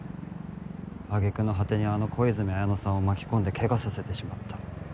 揚げ句の果てにあの小泉文乃さんを巻き込んでケガさせてしまった。